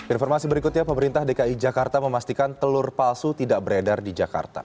informasi berikutnya pemerintah dki jakarta memastikan telur palsu tidak beredar di jakarta